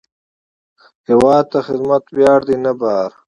هیواد ته خدمت ویاړ دی، نه بار